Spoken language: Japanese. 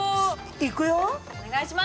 いくよ。